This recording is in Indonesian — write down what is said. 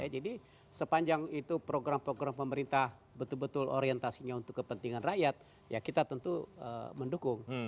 jadi sepanjang itu program program pemerintah betul betul orientasinya untuk kepentingan rakyat ya kita tentu mendukung